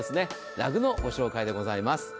ラグのご紹介でございます。